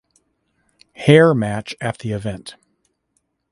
Hair match at the event.